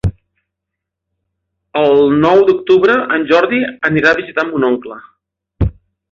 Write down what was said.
El nou d'octubre en Jordi anirà a visitar mon oncle.